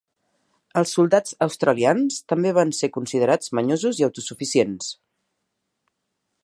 Els soldats australians també van ser considerats manyosos i autosuficients.